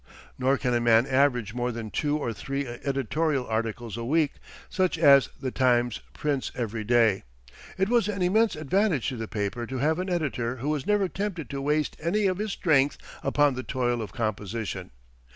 Nor can a man average more than two or three editorial articles a week such as "The Times" prints every day. It was an immense advantage to the paper to have an editor who was never tempted to waste any of his strength upon the toil of composition.